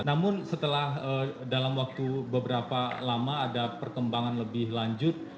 namun setelah dalam waktu beberapa lama ada perkembangan lebih lanjut